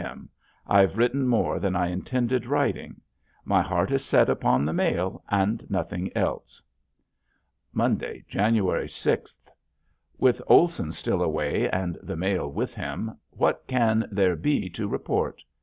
M. I've written more than I intended writing. My heart is set upon the mail and nothing else. Monday, January sixth. With Olson still away and the mail with him what can there be to report.